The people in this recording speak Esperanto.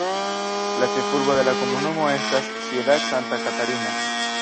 La ĉefurbo de la komunumo estas Ciudad Santa Catarina.